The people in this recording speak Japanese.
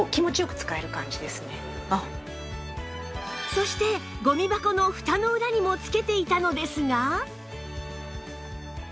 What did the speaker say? そしてゴミ箱のフタの裏にもつけていたのですが